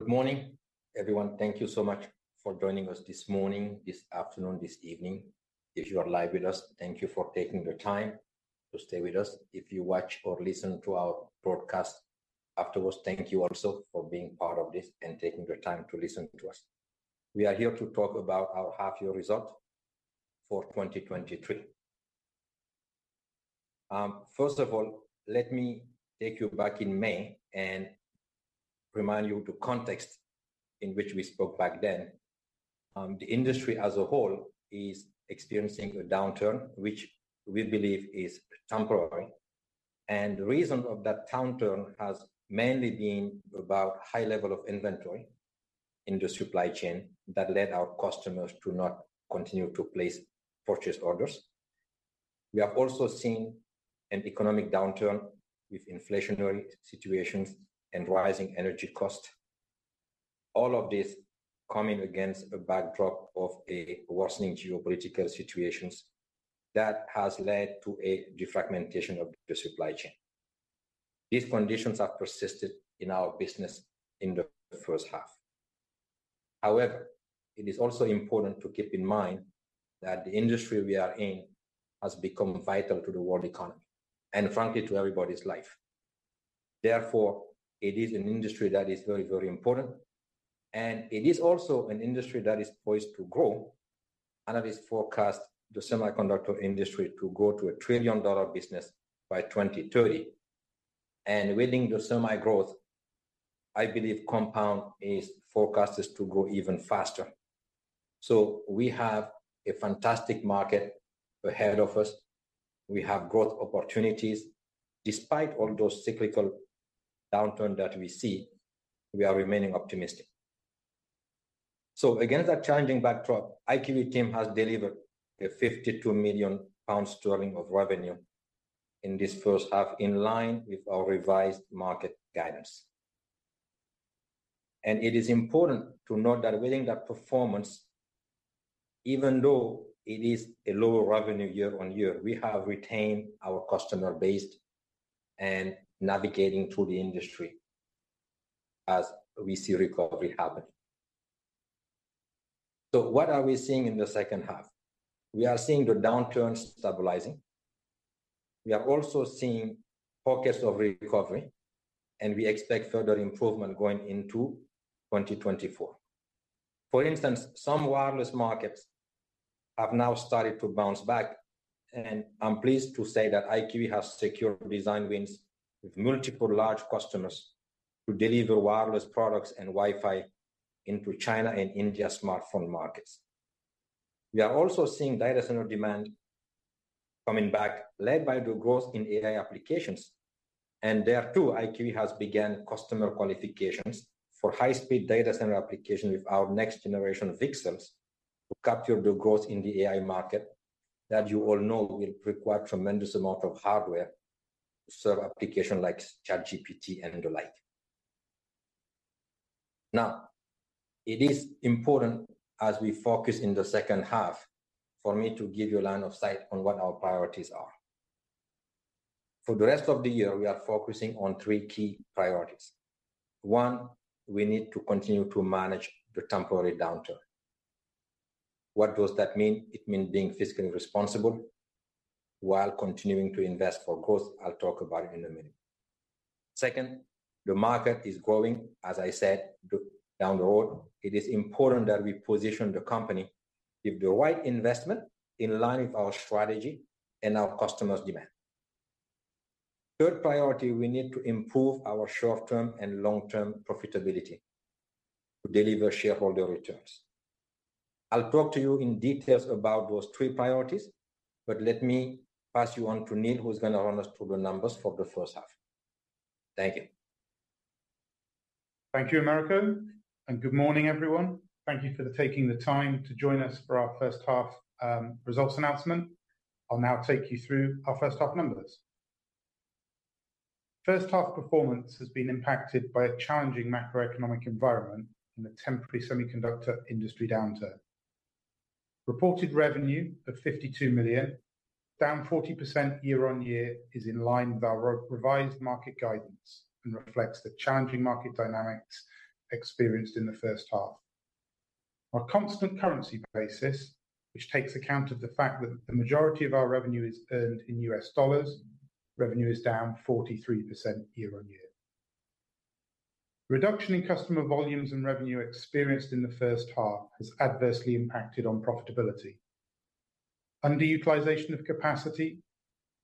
Good morning, everyone. Thank you so much for joining us this morning, this afternoon, this evening. If you are live with us, thank you for taking the time to stay with us. If you watch or listen to our broadcast afterwards, thank you also for being part of this and taking the time to listen to us. We are here to talk about our half-year results for 2023. First of all, let me take you back in May and remind you of the context in which we spoke back then. The industry as a whole is experiencing a downturn, which we believe is temporary, and the reason of that downturn has mainly been about high level of inventory in the supply chain that led our customers to not continue to place purchase orders. We have also seen an economic downturn with inflationary situations and rising energy costs. All of this coming against a backdrop of a worsening geopolitical situation that has led to a fragmentation of the supply chain. These conditions have persisted in our business in the first half. However, it is also important to keep in mind that the industry we are in has become vital to the world economy and frankly, to everybody's life. Therefore, it is an industry that is very, very important, and it is also an industry that is poised to grow. Analysts forecast the semiconductor industry to grow to a trillion-dollar business by 2030. Within the semi growth, I believe compound is forecasted to grow even faster. We have a fantastic market ahead of us. We have growth opportunities. Despite all those cyclical downturns that we see, we are remaining optimistic. So against that challenging backdrop, IQE team has delivered 52 million pound of revenue in this first half, in line with our revised market guidance. And it is important to note that within that performance, even though it is a lower revenue year-over-year, we have retained our customer base and navigating through the industry as we see recovery happening. So what are we seeing in the second half? We are seeing the downturn stabilizing. We are also seeing pockets of recovery, and we expect further improvement going into 2024. For instance, some wireless markets have now started to bounce back, and I'm pleased to say that IQE has secured design wins with multiple large customers to deliver wireless products and Wi-Fi into China and India smartphone markets. We are also seeing data center demand coming back, led by the growth in AI applications, and there too, IQE has begun customer qualifications for high-speed data center application with our next generation VCSELs to capture the growth in the AI market that you all know will require tremendous amount of hardware to serve applications like ChatGPT and the like. Now, it is important, as we focus in the second half, for me to give you a line of sight on what our priorities are. For the rest of the year, we are focusing on three key priorities. One, we need to continue to manage the temporary downturn. What does that mean? It means being fiscally responsible while continuing to invest for growth. I'll talk about it in a minute. Second, the market is growing, as I said, down the road. It is important that we position the company with the right investment in line with our strategy and our customers' demand. Third priority, we need to improve our short-term and long-term profitability to deliver shareholder returns. I'll talk to you in details about those three priorities, but let me pass you on to Neil, who's going to run us through the numbers for the first half. Thank you. Thank you, Americo, and good morning, everyone. Thank you for taking the time to join us for our first half results announcement. I'll now take you through our first half numbers. First half performance has been impacted by a challenging macroeconomic environment and a temporary semiconductor industry downturn. Reported revenue of 52 million, down 40% year-over-year, is in line with our revised market guidance and reflects the challenging market dynamics experienced in the first half. On a constant currency basis, which takes account of the fact that the majority of our revenue is earned in US dollars, revenue is down 43% year-over-year. Reduction in customer volumes and revenue experienced in the first half has adversely impacted on profitability. Underutilization of capacity,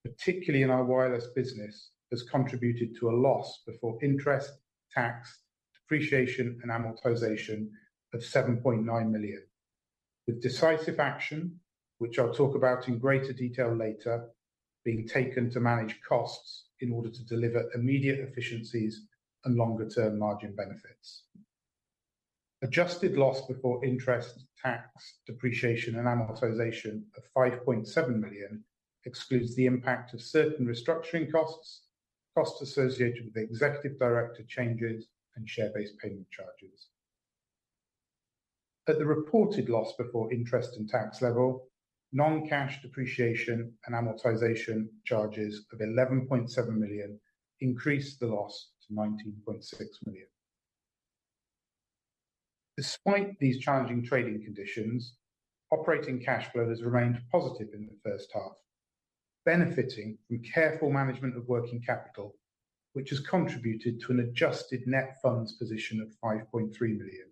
particularly in our wireless business, has contributed to a loss before interest, tax, depreciation, and amortization of 7.9 million. With decisive action, which I'll talk about in greater detail later, being taken to manage costs in order to deliver immediate efficiencies and longer-term margin benefits. Adjusted loss before interest, tax, depreciation, and amortization of 5.7 million excludes the impact of certain restructuring costs, costs associated with the executive director changes, and share-based payment charges... At the reported loss before interest and tax level, non-cash depreciation and amortization charges of 11.7 million increased the loss to 19.6 million. Despite these challenging trading conditions, operating cash flow has remained positive in the first half, benefiting from careful management of working capital, which has contributed to an adjusted net funds position of 5.3 million.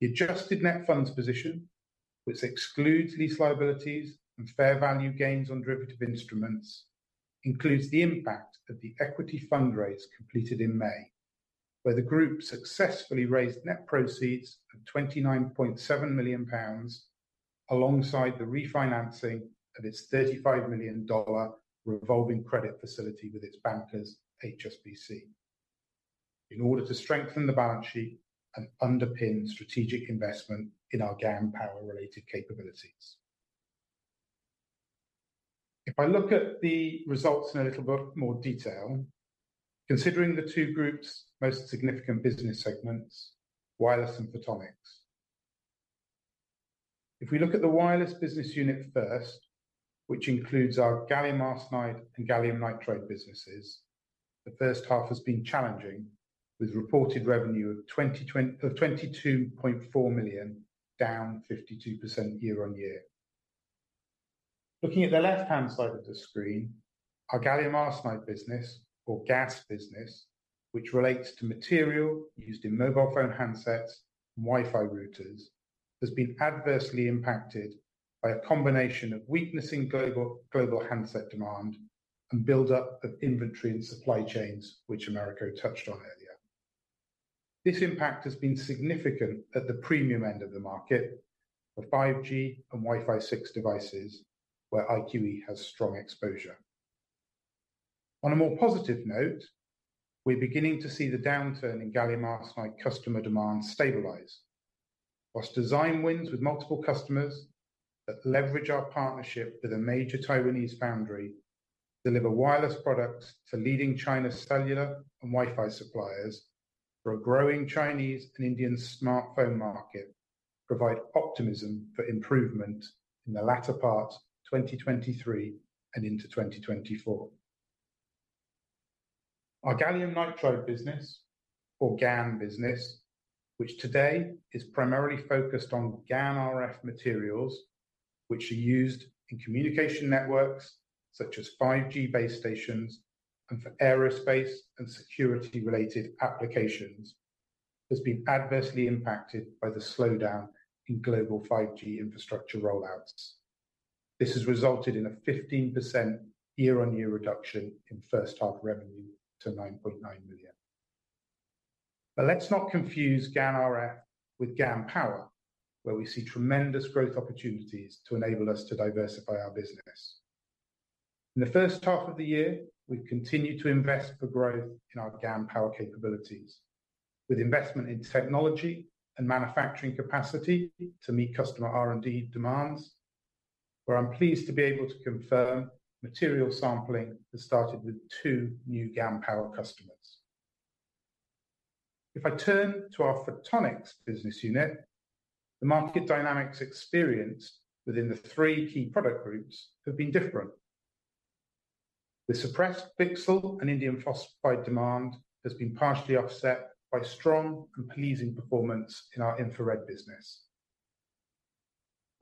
The adjusted net funds position, which excludes lease liabilities and fair value gains on derivative instruments, includes the impact of the equity fundraise completed in May, where the group successfully raised net proceeds of 29.7 million pounds, alongside the refinancing of its $35 million revolving credit facility with its bankers, HSBC, in order to strengthen the balance sheet and underpin strategic investment in our GaN power-related capabilities. If I look at the results in a little bit more detail, considering the two groups' most significant business segments, wireless and photonics. If we look at the wireless business unit first, which includes our gallium arsenide and gallium nitride businesses, the first half has been challenging, with reported revenue of $22.4 million, down 52% year-on-year. Looking at the left-hand side of the screen, our gallium arsenide business or GaaS business, which relates to material used in mobile phone handsets and Wi-Fi routers, has been adversely impacted by a combination of weakness in global handset demand and buildup of inventory and supply chains, which Americo touched on earlier. This impact has been significant at the premium end of the market for 5G and Wi-Fi 6 devices, where IQE has strong exposure. On a more positive note, we're beginning to see the downturn in gallium arsenide customer demand stabilize, whilst design wins with multiple customers that leverage our partnership with a major Taiwanese foundry, deliver wireless products to leading China cellular and Wi-Fi suppliers for a growing Chinese and Indian smartphone market, provide optimism for improvement in the latter part of 2023 and into 2024. Our gallium nitride business or GaN business, which today is primarily focused on GaN RF materials, which are used in communication networks such as 5G base stations and for aerospace and security-related applications, has been adversely impacted by the slowdown in global 5G infrastructure rollouts. This has resulted in a 15% year-on-year reduction in first half revenue to $9.9 million. But let's not confuse GaN RF with GaN Power, where we see tremendous growth opportunities to enable us to diversify our business. In the first half of the year, we've continued to invest for growth in our GaN Power capabilities, with investment in technology and manufacturing capacity to meet customer R&D demands, where I'm pleased to be able to confirm material sampling has started with two new GaN Power customers. If I turn to our photonics business unit, the market dynamics experience within the three key product groups have been different. The suppressed VCSEL and indium phosphide demand has been partially offset by strong and pleasing performance in our infrared business.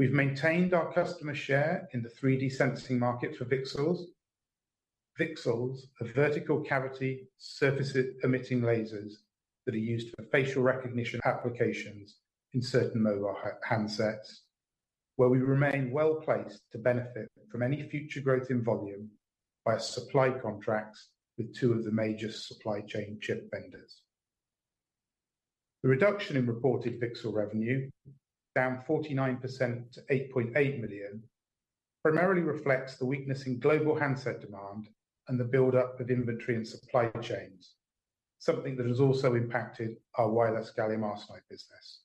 We've maintained our customer share in the 3D sensing market for VCSELs. VCSELs are vertical cavity surface emitting lasers that are used for facial recognition applications in certain mobile handsets, where we remain well-placed to benefit from any future growth in volume by supply contracts with two of the major supply chain chip vendors. The reduction in reported VCSEL revenue, down 49% to $8.8 million, primarily reflects the weakness in global handset demand and the buildup of inventory and supply chains, something that has also impacted our wireless gallium arsenide business.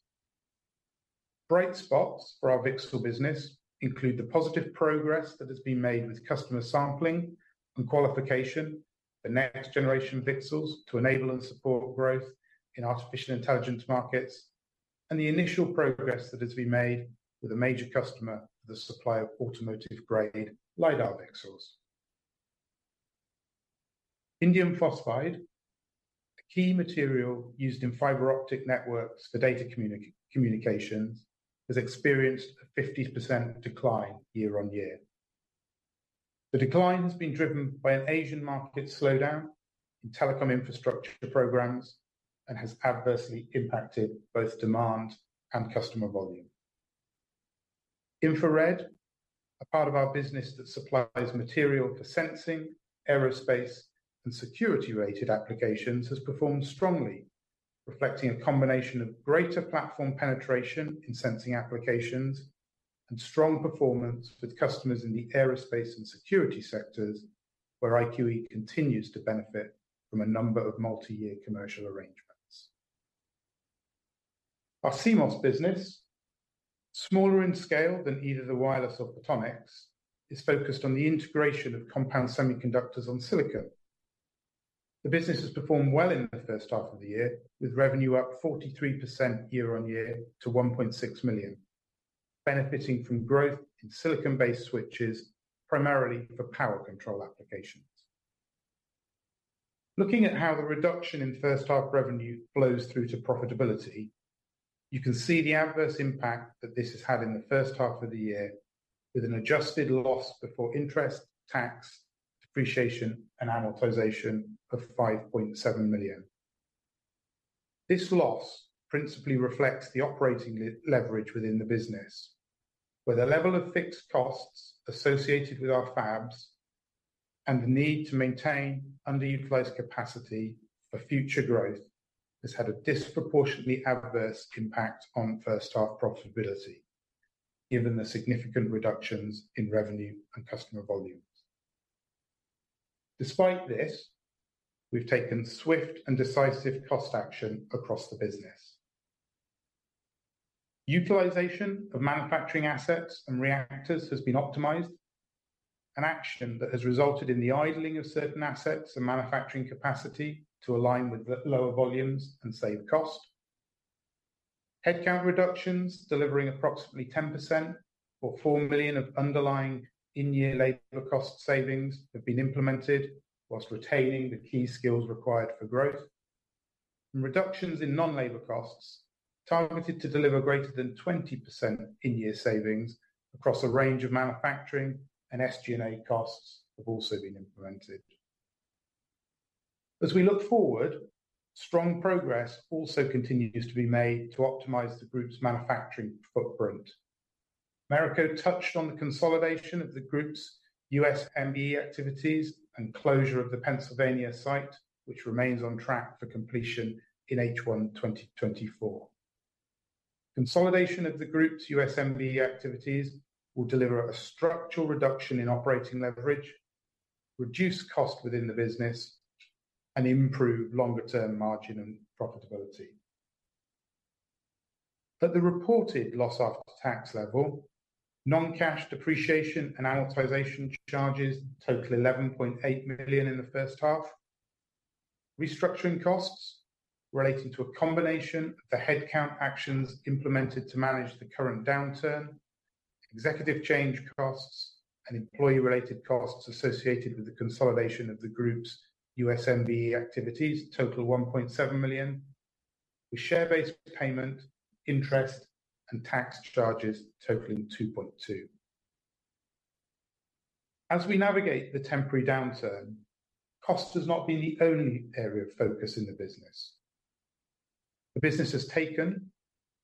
Bright spots for our VCSEL business include the positive progress that has been made with customer sampling and qualification, the next generation VCSELs to enable and support growth in artificial intelligence markets, and the initial progress that has been made with a major customer for the supply of automotive-grade LiDAR VCSELs. Indium phosphide, a key material used in fiber optic networks for data communications, has experienced a 50% decline year-on-year. The decline has been driven by an Asian market slowdown in telecom infrastructure programs, and has adversely impacted both demand and customer volume. Infrared, a part of our business that supplies material for sensing, aerospace, and security-related applications, has performed strongly, reflecting a combination of greater platform penetration in sensing applications and strong performance with customers in the aerospace and security sectors, where IQE continues to benefit from a number of multi-year commercial arrangements. Our CMOS business, smaller in scale than either the Wireless or Photonics, is focused on the integration of compound semiconductors on silicon. The business has performed well in the first half of the year, with revenue up 43% year-over-year to 1.6 million, benefiting from growth in silicon-based switches, primarily for power control applications. Looking at how the reduction in first half revenue flows through to profitability, you can see the adverse impact that this has had in the first half of the year, with an adjusted loss before interest, tax, depreciation, and amortization of 5.7 million. This loss principally reflects the operating leverage within the business, where the level of fixed costs associated with our fabs and the need to maintain underutilized capacity for future growth, has had a disproportionately adverse impact on first half profitability, given the significant reductions in revenue and customer volumes. Despite this, we've taken swift and decisive cost action across the business. Utilization of manufacturing assets and reactors has been optimized, an action that has resulted in the idling of certain assets and manufacturing capacity to align with the lower volumes and save cost. Headcount reductions, delivering approximately 10% or 4 million of underlying in-year labor cost savings have been implemented, while retaining the key skills required for growth. Reductions in non-labor costs, targeted to deliver greater than 20% in-year savings across a range of manufacturing and SG&A costs, have also been implemented. As we look forward, strong progress also continues to be made to optimize the group's manufacturing footprint. Americo touched on the consolidation of the group's U.S. MBE activities and closure of the Pennsylvania site, which remains on track for completion in H1 2024. Consolidation of the group's U.S. MBE activities will deliver a structural reduction in operating leverage, reduce costs within the business, and improve longer-term margin and profitability. At the reported loss after tax level, non-cash depreciation and amortization charges total 11.8 million in the first half. Restructuring costs relating to a combination of the headcount actions implemented to manage the current downturn, executive change costs and employee-related costs associated with the consolidation of the group's U.S. MBE activities total 1.7 million, with share-based payment, interest, and tax charges totaling 2.2 million. As we navigate the temporary downturn, cost has not been the only area of focus in the business. The business has taken,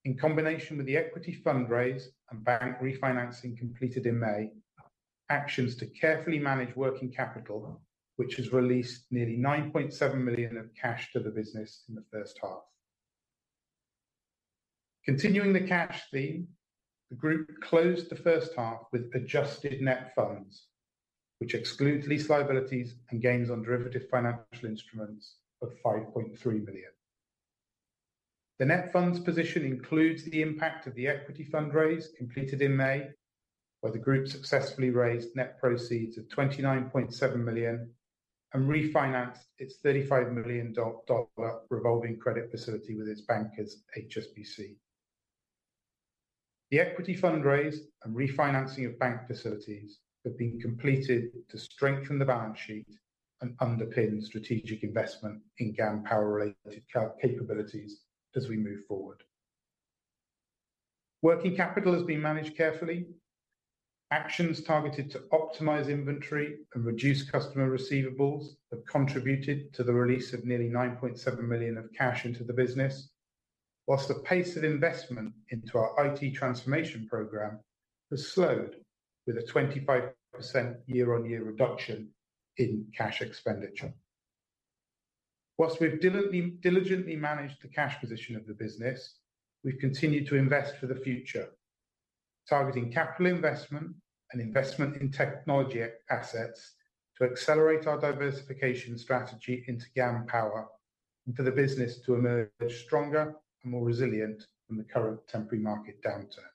in combination with the equity fund raise and bank refinancing completed in May, actions to carefully manage working capital, which has released nearly 9.7 million of cash to the business in the first half. Continuing the cash theme, the group closed the first half with adjusted net funds, which excludes lease liabilities and gains on derivative financial instruments, of 5.3 million. The net funds position includes the impact of the equity fund raise completed in May, where the group successfully raised net proceeds of 29.7 million and refinanced its $35 million dollar revolving credit facility with its bankers, HSBC. The equity fund raise and refinancing of bank facilities have been completed to strengthen the balance sheet and underpin strategic investment in GaN power-related capabilities as we move forward. Working capital has been managed carefully. Actions targeted to optimize inventory and reduce customer receivables have contributed to the release of nearly 9.7 million of cash into the business. While the pace of investment into our IT transformation program has slowed, with a 25% year-on-year reduction in cash expenditure. While we've diligently managed the cash position of the business, we've continued to invest for the future, targeting capital investment and investment in technology assets to accelerate our diversification strategy into GaN power, and for the business to emerge stronger and more resilient from the current temporary market downturn.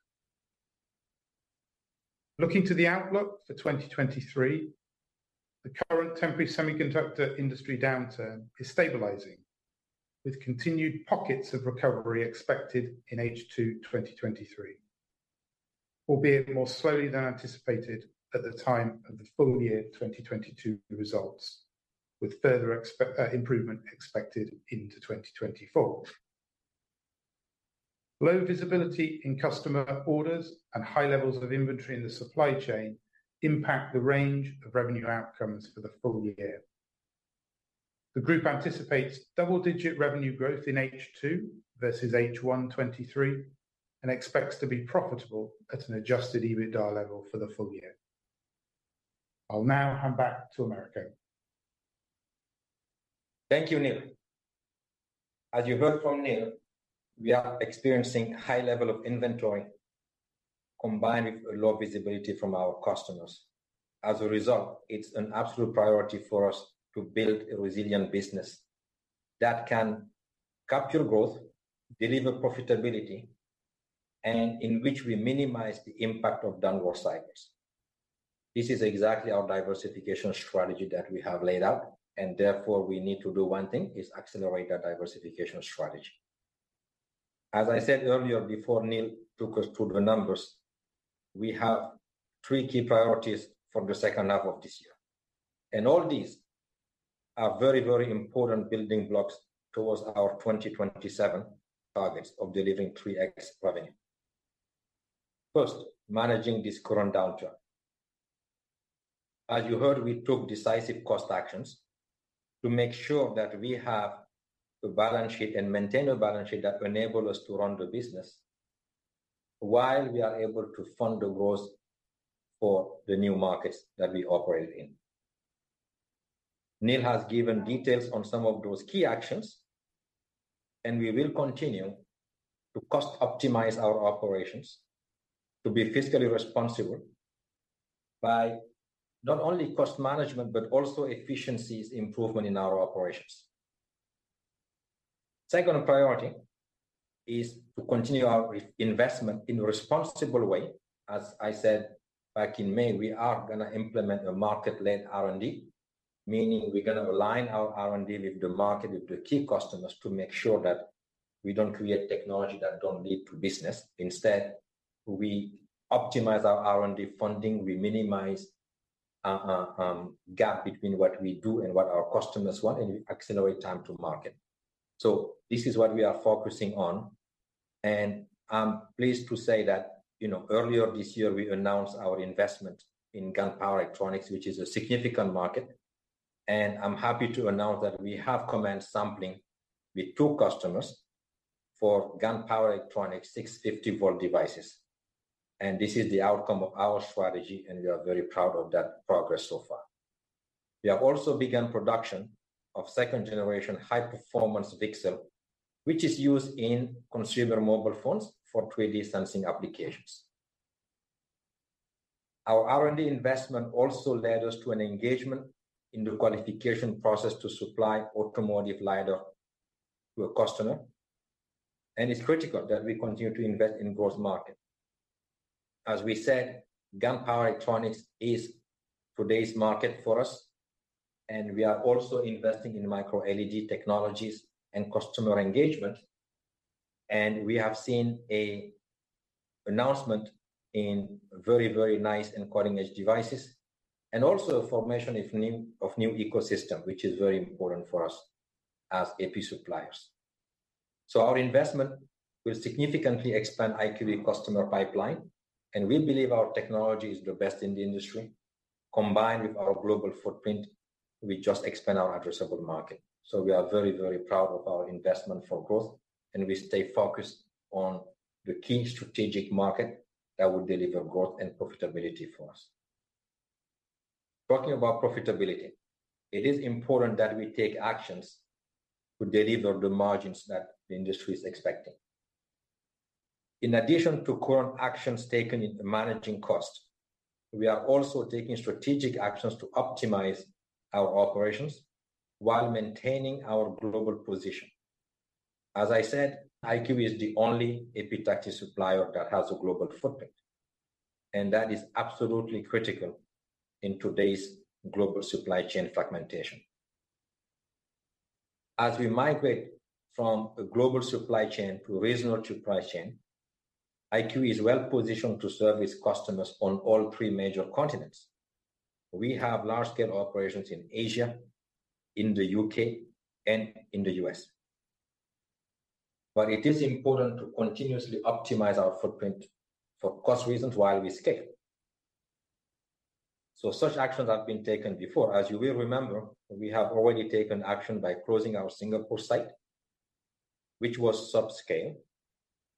Looking to the outlook for 2023, the current temporary semiconductor industry downturn is stabilizing, with continued pockets of recovery expected in H2 2023, albeit more slowly than anticipated at the time of the full year 2022 results, with further improvement expected into 2024. Low visibility in customer orders and high levels of inventory in the supply chain impact the range of revenue outcomes for the full year. The group anticipates double-digit revenue growth in H2 versus H1 2023, and expects to be profitable at an adjusted EBITDA level for the full year. I'll now hand back to Americo. Thank you, Neil. As you heard from Neil, we are experiencing high level of inventory combined with low visibility from our customers. As a result, it's an absolute priority for us to build a resilient business that can capture growth, deliver profitability, and in which we minimize the impact of downward cycles. This is exactly our diversification strategy that we have laid out, and therefore we need to do one thing, is accelerate that diversification strategy. As I said earlier, before Neil took us through the numbers, we have three key priorities for the second half of this year, and all these are very, very important building blocks towards our 2027 targets of delivering 3x revenue. First, managing this current downturn. As you heard, we took decisive cost actions to make sure that we have a balance sheet and maintain a balance sheet that will enable us to run the business while we are able to fund the growth for the new markets that we operate in. Neil has given details on some of those key actions, and we will continue to cost optimize our operations to be fiscally responsible by not only cost management, but also efficiencies improvement in our operations. Second priority is to continue our re-investment in a responsible way. As I said back in May, we are gonna implement a market-led R&D, meaning we're gonna align our R&D with the market, with the key customers, to make sure that we don't create technology that don't lead to business. Instead, we optimize our R&D funding, we minimize gap between what we do and what our customers want, and we accelerate time to market. So this is what we are focusing on, and I'm pleased to say that, you know, earlier this year, we announced our investment in GaN power electronics, which is a significant market. And I'm happy to announce that we have commenced sampling with two customers for GaN power electronics 650-volt devices, and this is the outcome of our strategy, and we are very proud of that progress so far. We have also begun production of second generation high-performance VCSEL, which is used in consumer mobile phones for 3D sensing applications. Our R&D investment also led us to an engagement in the qualification process to supply automotive LiDAR to a customer, and it's critical that we continue to invest in growth market. As we said, GaN power electronics is today's market for us, and we are also investing in Micro LED technologies and customer engagement. We have seen an announcement in very, very nice and cutting-edge devices, and also a formation of new ecosystem, which is very important for us as epi suppliers. Our investment will significantly expand IQE customer pipeline, and we believe our technology is the best in the industry. Combined with our global footprint, we just expand our addressable market. We are very, very proud of our investment for growth, and we stay focused on the key strategic market that will deliver growth and profitability for us. Talking about profitability, it is important that we take actions to deliver the margins that the industry is expecting. In addition to current actions taken in managing costs, we are also taking strategic actions to optimize our operations while maintaining our global position. As I said, IQE is the only epitaxy supplier that has a global footprint, and that is absolutely critical in today's global supply chain fragmentation. As we migrate from a global supply chain to regional supply chain, IQE is well positioned to serve its customers on all three major continents. We have large-scale operations in Asia, in the U.K., and in the U.S. But it is important to continuously optimize our footprint for cost reasons while we scale. So such actions have been taken before. As you will remember, we have already taken action by closing our Singapore site, which was subscale.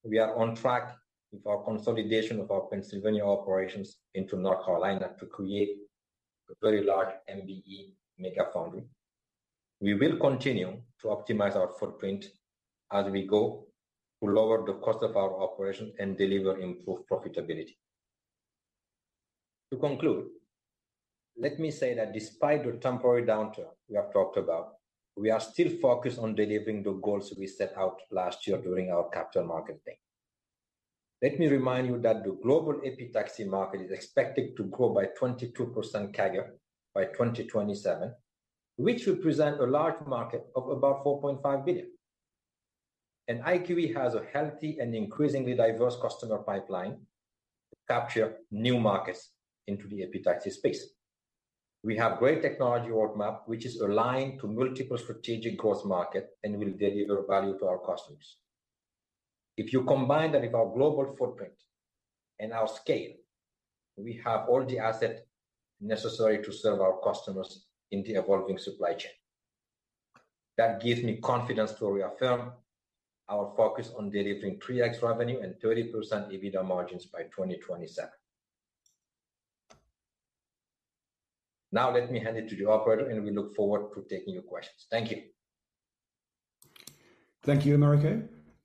We are on track with our consolidation of our Pennsylvania operations into North Carolina to create a very large MBE mega foundry. We will continue to optimize our footprint as we go to lower the cost of our operations and deliver improved profitability. To conclude, let me say that despite the temporary downturn we have talked about, we are still focused on delivering the goals we set out last year during our capital market day. Let me remind you that the global epitaxy market is expected to grow by 22% CAGR by 2027, which represent a large market of about $4.5 billion. IQE has a healthy and increasingly diverse customer pipeline to capture new markets into the epitaxy space. We have great technology roadmap, which is aligned to multiple strategic growth market and will deliver value to our customers. If you combine that with our global footprint and our scale, we have all the assets necessary to serve our customers in the evolving supply chain. That gives me confidence to reaffirm our focus on delivering 3x revenue and 30% EBITDA margins by 2027. Now, let me hand it to the operator, and we look forward to taking your questions. Thank you. Thank you,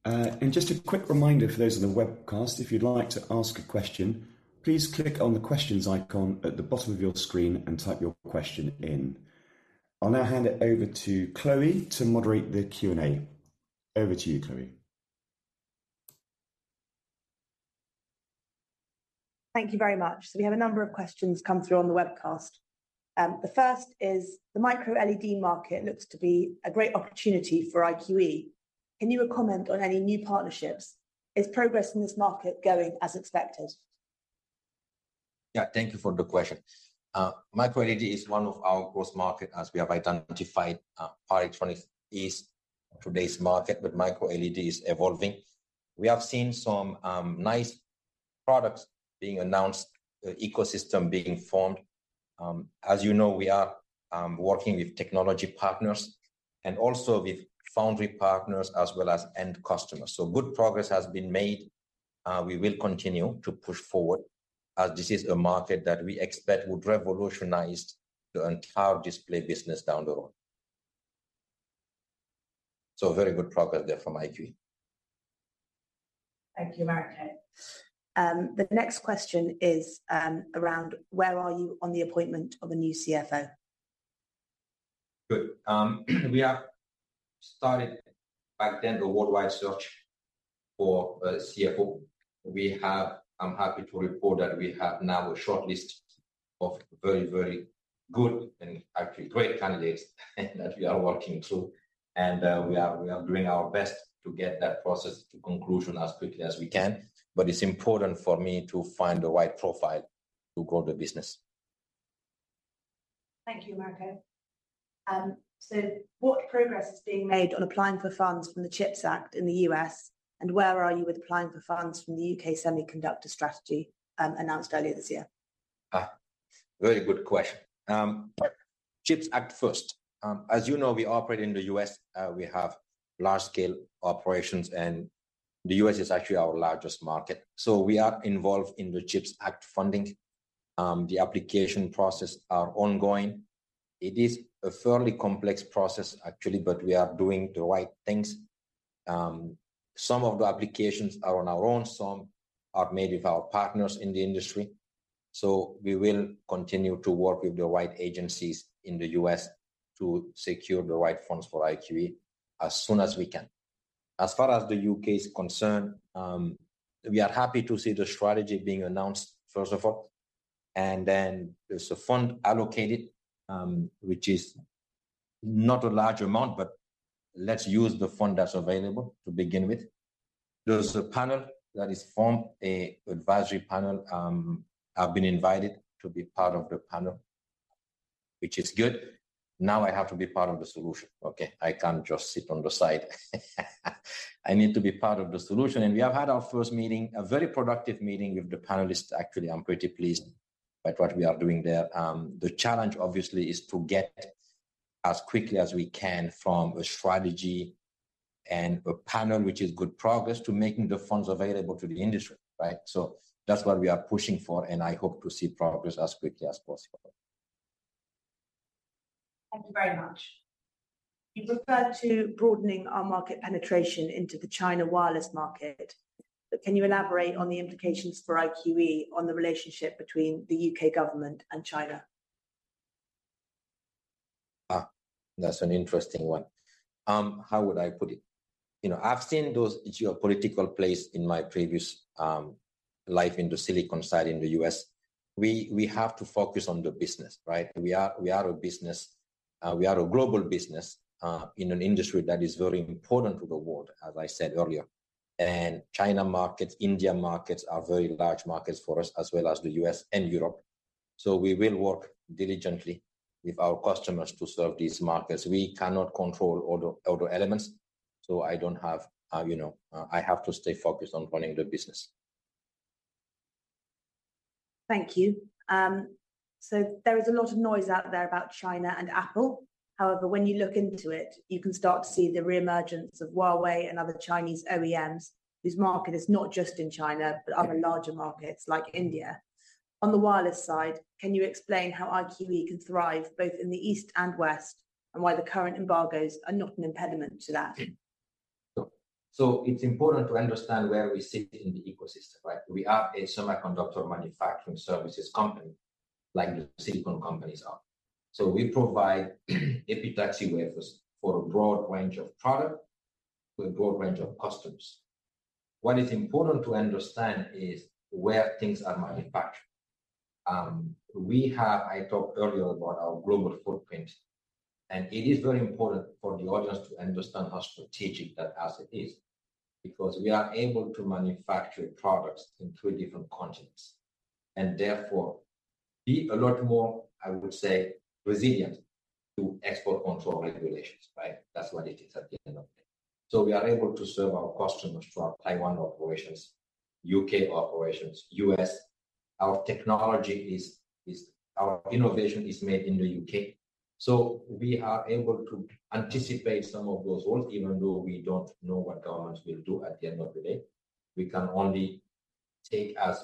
Americo. Just a quick reminder for those in the webcast, if you'd like to ask a question, please click on the Questions icon at the bottom of your screen and type your question in. I'll now hand it over to Chloe to moderate the Q&A. Over to you, Chloe.... Thank you very much. So we have a number of questions come through on the webcast. The first is: the MicroLED market looks to be a great opportunity for IQE. Can you comment on any new partnerships? Is progress in this market going as expected? Yeah, thank you for the question. Micro LED is one of our growth market as we have identified, electronics is today's market, but Micro LED is evolving. We have seen some nice products being announced, the ecosystem being formed. As you know, we are working with technology partners and also with foundry partners as well as end customers. So good progress has been made, we will continue to push forward as this is a market that we expect would revolutionize the entire display business down the road. So very good progress there from IQE. Thank you, Marco. The next question is, around where are you on the appointment of a new CFO? Good. We have started back then a worldwide search for a CFO. We have. I'm happy to report that we have now a shortlist of very, very good and actually great candidates that we are working through. We are doing our best to get that process to conclusion as quickly as we can. But it's important for me to find the right profile to grow the business. Thank you, Marco. So, what progress is being made on applying for funds from the CHIPS Act in the U.S., and where are you with applying for funds from the UK Semiconductor Strategy, announced earlier this year? Ah, very good question. CHIPS Act first. As you know, we operate in the U.S., we have large-scale operations, and the U.S. is actually our largest market. So we are involved in the CHIPS Act funding. The application process are ongoing. It is a fairly complex process, actually, but we are doing the right things. Some of the applications are on our own, some are made with our partners in the industry, so we will continue to work with the right agencies in the U.S. to secure the right funds for IQE as soon as we can. As far as the U.K. is concerned, we are happy to see the strategy being announced, first of all, and then there's a fund allocated, which is not a large amount, but let's use the fund that's available to begin with. There's a panel that is formed, an advisory panel. I've been invited to be part of the panel, which is good. Now I have to be part of the solution. Okay, I can't just sit on the side. I need to be part of the solution, and we have had our first meeting, a very productive meeting with the panelists. Actually, I'm pretty pleased by what we are doing there. The challenge, obviously, is to get as quickly as we can from a strategy and a panel, which is good progress, to making the funds available to the industry, right? So that's what we are pushing for, and I hope to see progress as quickly as possible. Thank you very much. You referred to broadening our market penetration into the China wireless market, but can you elaborate on the implications for IQE on the relationship between the U.K. government and China? Ah, that's an interesting one. How would I put it? You know, I've seen those geopolitical plays in my previous life in the silicon side in the U.S. We, we have to focus on the business, right? We are, we are a business, we are a global business in an industry that is very important to the world, as I said earlier. China markets, India markets, are very large markets for us, as well as the U.S. and Europe. So we will work diligently with our customers to serve these markets. We cannot control all the other elements, so I don't have, you know... I have to stay focused on running the business. Thank you. So there is a lot of noise out there about China and Apple. However, when you look into it, you can start to see the re-emergence of Huawei and other Chinese OEMs, whose market is not just in China, but other larger markets like India. On the wireless side, can you explain how IQE can thrive both in the East and West, and why the current embargoes are not an impediment to that? So it's important to understand where we sit in the ecosystem, right? We are a semiconductor manufacturing services company, like the silicon companies are. So we provide epitaxy wafers for a broad range of product with a broad range of customers. What is important to understand is where things are manufactured. I talked earlier about our global footprint, and it is very important for the audience to understand how strategic that asset is, because we are able to manufacture products in three different continents, and therefore be a lot more, I would say, resilient to export control regulations, right? That's what it is at the end of the day. So we are able to serve our customers from our Taiwan operations, UK operations, US. Our technology is... Our innovation is made in the U.K., so we are able to anticipate some of those risks, even though we don't know what governments will do at the end of the day. We can only take as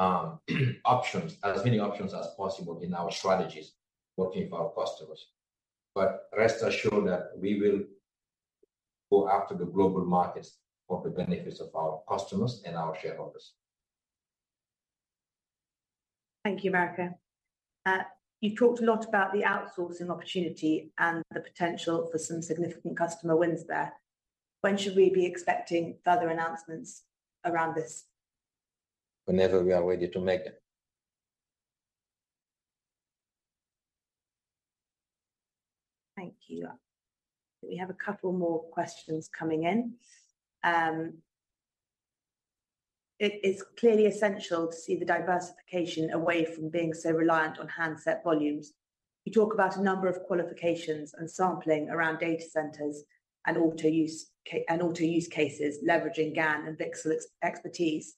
many options as possible in our strategies working for our customers. But rest assured that we will go after the global markets for the benefits of our customers and our shareholders.... Thank you, Americo. You've talked a lot about the outsourcing opportunity and the potential for some significant customer wins there. When should we be expecting further announcements around this? Whenever we are ready to make them. Thank you. We have a couple more questions coming in. It is clearly essential to see the diversification away from being so reliant on handset volumes. You talk about a number of qualifications and sampling around data centers and auto use cases, leveraging GaN and VCSEL expertise.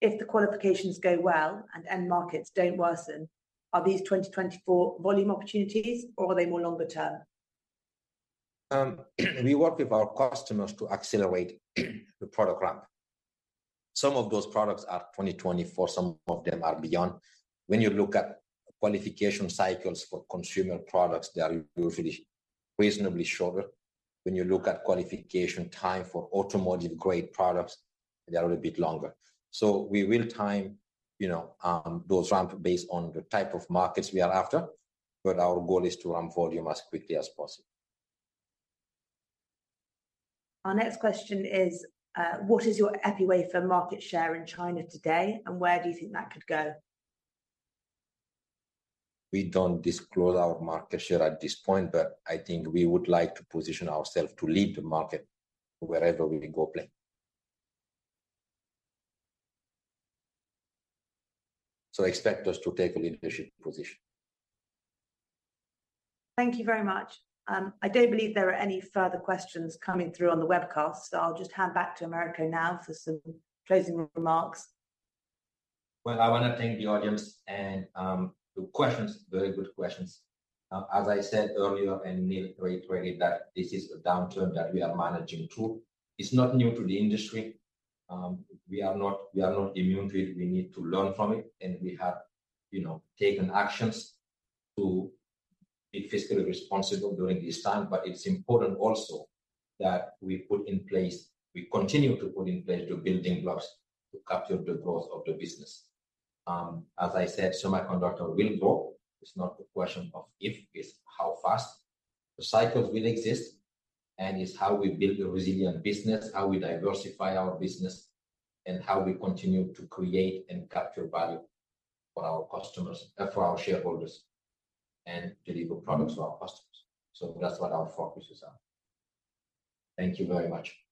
If the qualifications go well and end markets don't worsen, are these 2024 volume opportunities or are they more longer term? We work with our customers to accelerate the product ramp. Some of those products are 2024, some of them are beyond. When you look at qualification cycles for consumer products, they are usually reasonably shorter. When you look at qualification time for automotive-grade products, they are a little bit longer. So we will time, you know, those ramp based on the type of markets we are after, but our goal is to ramp volume as quickly as possible. Our next question is, what is your epi wafer market share in China today, and where do you think that could go? We don't disclose our market share at this point, but I think we would like to position ourselves to lead the market wherever we go play. So expect us to take a leadership position. Thank you very much. I don't believe there are any further questions coming through on the webcast, so I'll just hand back to Americo now for some closing remarks. Well, I want to thank the audience and the questions, very good questions. As I said earlier, and Neil reiterated, that this is a downturn that we are managing through. It's not new to the industry, we are not, we are not immune to it. We need to learn from it, and we have, you know, taken actions to be fiscally responsible during this time. But it's important also that we put in place, we continue to put in place the building blocks to capture the growth of the business. As I said, semiconductor will grow. It's not a question of if, it's how fast. The cycles will exist, and it's how we build a resilient business, how we diversify our business, and how we continue to create and capture value for our customers, for our shareholders, and deliver products to our customers. So that's what our focus is on. Thank you very much.